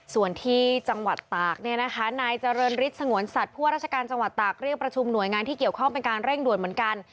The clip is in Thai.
ส่วนที่จังหวัดตากเนี่ยนะคะนายเจริญฤทธิ์สงวนสัตว์ผู้ว่าราชการจังหวัดตากเรียกประชุมหน่วยงานที่เกี่ยวข้องเป็นการเร่งด่วนเหมือนกัน